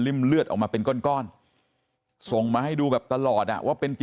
เลือดออกมาเป็นก้อนส่งมาให้ดูแบบตลอดอ่ะว่าเป็น